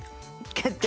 「決定」。